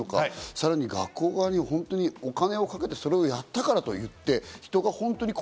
さらに学校側にお金をかけて、それをやったからといって、本当に人が